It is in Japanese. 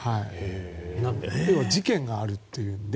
要は事件があるっていうので。